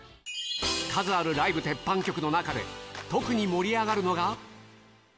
数あるライブ鉄板曲の中で、特に盛り上がるのが。